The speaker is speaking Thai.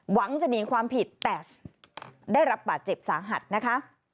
หวังจะหนีความผิดแต่ได้รับบาดเจ็บสาหัสนะคะ